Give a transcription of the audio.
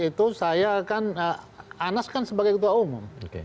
dua ribu sebelas itu saya kan anas kan sebagai ketua umum